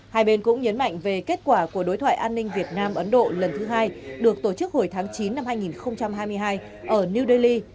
hai bên cũng nhấn mạnh về kết quả của đối thoại an ninh việt nam ấn độ lần thứ hai được tổ chức hồi tháng chín năm hai nghìn hai mươi hai ở new delhi